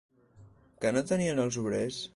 Què no tenien els obrers?